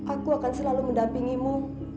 aku akan selalu mendampingimu